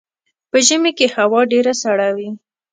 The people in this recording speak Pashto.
په ژمي کې هوا ډیره سړه وي